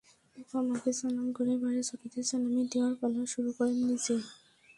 বাবা-মাকে সালাম করে বাড়ির ছোটদের সালামি দেওয়ার পালা শুরু করেন নিজে।